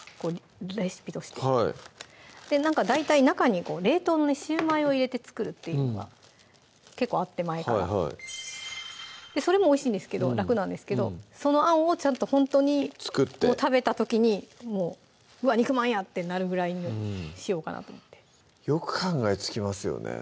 レシピとして大体中に冷凍のシューマイを入れて作るっていうのが結構あって前からはいそれもおいしいんですけど楽なんですけどそのあんをちゃんとほんとに作って食べた時に「わっ肉まんや」ってなるぐらいにしようかなと思ってよく考えつきますよね